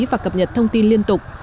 và cập nhật thông tin liên tục